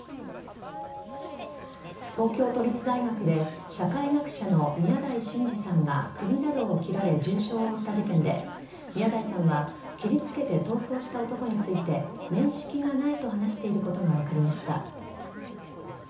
東京都立大学で社会学者の宮台真司さんが首などを切られ重傷を負った事件で宮台さんは切りつけて逃走した男について面識がないと話していることが分かりました。